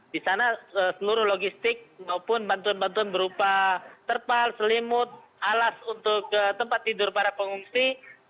di sana seluruh logistik maupun bantuan bantuan berupa terpal selimut alas untuk tempat tidur para pengungsi